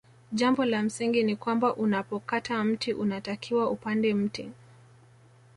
Jambo la msingi ni kwamba unapokata mti unatakiwa upande mti